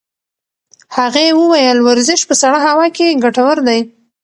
هغې وویل ورزش په سړه هوا کې ګټور دی.